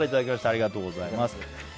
ありがとうございます。